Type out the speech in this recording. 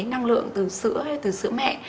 năng lượng từ sữa hay từ sữa mẹ